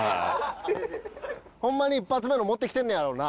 ホンマに一発目の持ってきてんねやろな？